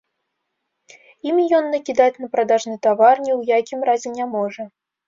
Імі ён накідаць на прадажны тавар ні ў якім разе не можа.